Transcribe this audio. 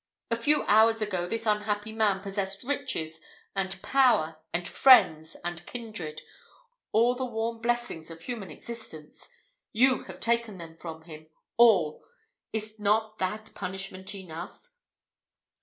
A few hours ago this unhappy man possessed riches, and power, and friends, and kindred all the warm blessings of human existence you have taken them from him all! Is not that punishment enough?